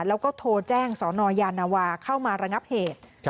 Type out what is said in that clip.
แล้วก็โทรแจ้งสนยานวาเข้ามาระงับเหตุ